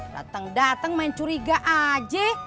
datang datang main curiga aja